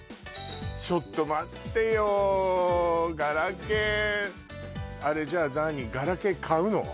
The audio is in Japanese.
ちょっと待ってよガラケーあれじゃあ何ガラケー買うの？